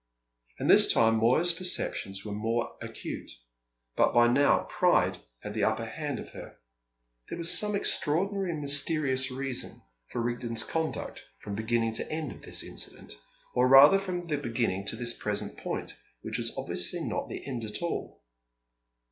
And this time Moya's perceptions were more acute. But by now pride had the upper hand of her. There was some extraordinary and mysterious reason for Rigden's conduct from beginning to end of this incident, or rather from the beginning to this present point, which was obviously not the end at all.